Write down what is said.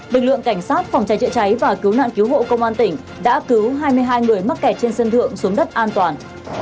lực lượng cảnh sát phòng cháy chữa cháy và cứu nạn cứu hộ công an tỉnh đã cứu hai mươi hai người mắc kẹt trên sân thượng xuống đất an toàn